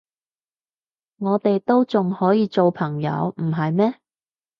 我哋都仲可以做朋友，唔係咩？